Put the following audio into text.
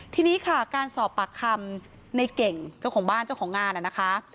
ทีนี้ค่ะการสอบปากคำในเก่งเจ้าของบ้านเจ้าของงานนะคะ